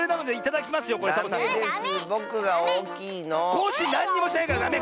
コッシーなんにもしてないからダメ！